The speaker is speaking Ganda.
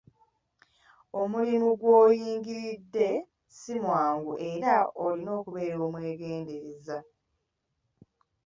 Omulimu gw'oyingiridde si mwangu era olina okubeera omwegendereza.